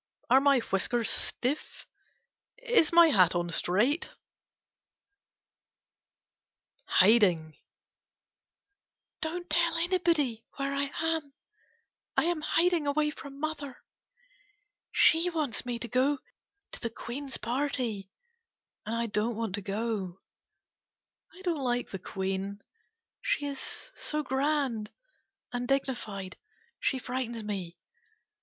Are my whiskers stiff ? Is my hat on straight ? 14 KITTENS Amy OATS HIDING Don't tell anybody where I am. I am hiding away from mother. She wants me to go to the Queen a party and I don't want to go. I don't like the Queen, she is so grand and dignified. She frightens me.